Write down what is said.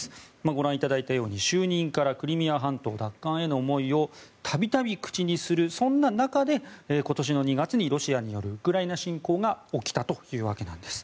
ご覧いただいたように就任からクリミア半島奪還への思いを度々口にするそんな中で今年の２月にロシアによるウクライナ侵攻が起きたというわけなんです。